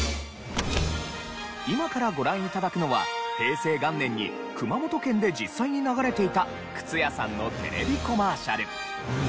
今からご覧頂くのは平成元年に熊本県で実際に流れていた靴屋さんのテレビコマーシャル。